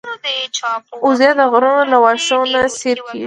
وزې د غرونو له واښو نه سیر کېږي